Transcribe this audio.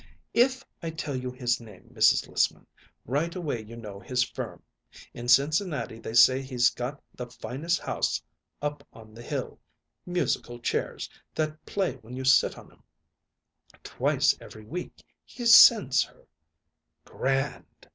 "If I tell you his name, Mrs. Lissman, right away you know his firm. In Cincinnati they say he's got the finest house up on the hill musical chairs, that play when you sit on 'em. Twice every week he sends her " "Grand!"